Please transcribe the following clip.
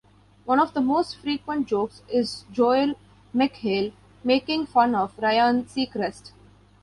One of the most frequent jokes is Joel McHale making fun of Ryan Seacrest.